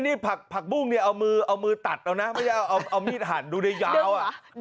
นี่ผักบุ้งเอามือตัดเอานะไม่ใช่เอามีดหันดูได้ยาว